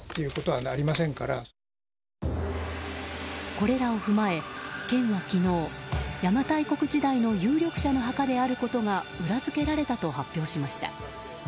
これらを踏まえ県は昨日邪馬台国時代の有力者の墓であることが裏付けられたと発表しました。